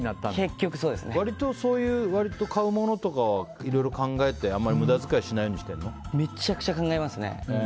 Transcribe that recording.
割とそういう買うものとかはいろいろ考えてめちゃくちゃ考えますね。